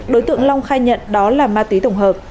đối tượng long khai nhận đó là ma túy tổng hợp